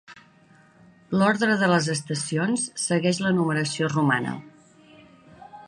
L'ordre de les estacions segueix la numeració romana.